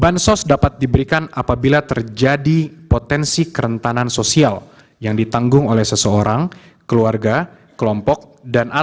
bansos dapat diberikan apabila terjadi potensi kerentanan sosial yang ditanggung oleh seseorang keluarga kelompok dan anak anak